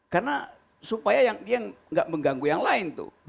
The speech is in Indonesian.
karena supaya dia tidak mengganggu yang lain